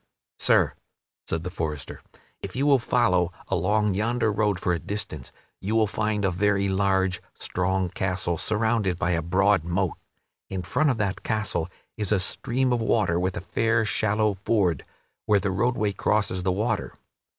"Sir," said the forester, "if you will follow along yonder road for a distance you will find a very large, strong castle surrounded by a broad moat. In front of that castle is a stream of water with a fair, shallow ford, where the roadway crosses the water.